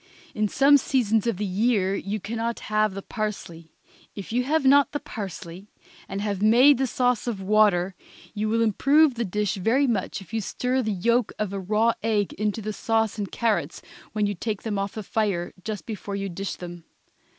In some seasons of the year you can not have the parsley. If you have not parsley, and have made the sauce of water, you will improve the dish very much if you stir the yolk of a raw egg into the sauce and carrots when you take them off the fire, just before you dish them.